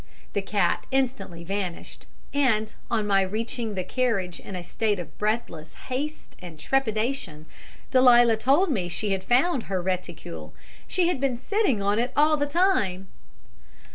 The cat instantly vanished, and, on my reaching the carriage in a state of breathless haste and trepidation, Delia told me she had found her reticule she had been sitting on it all the time!"